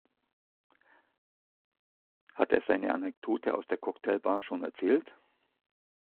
Hat er seine Anekdote aus der Cocktailbar schon erzählt?